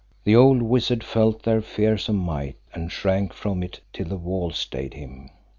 The old wizard felt their fearsome might and shrank from it till the wall stayed him.